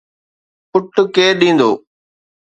پٽ ڪير ڏيندو؟